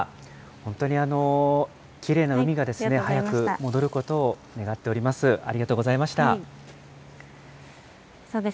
本当にきれいな海が早く戻ることを願っております。